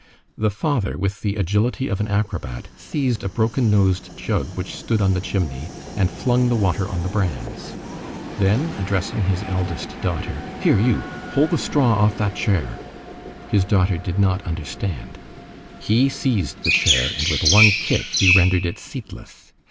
The father, with the agility of an acrobat, seized a broken nosed jug which stood on the chimney, and flung the water on the brands. Then, addressing his eldest daughter:— "Here you! Pull the straw off that chair!" His daughter did not understand. He seized the chair, and with one kick he rendered it seatless.